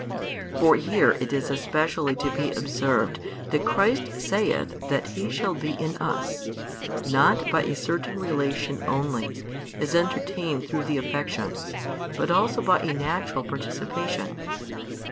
For here it is especially to be observed that Christ saith that He shall be in us, not by a certain relation only, as entertained through the affections, but also by a natural participation.